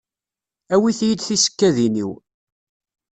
Awit-yi-d tisekkadin-iw.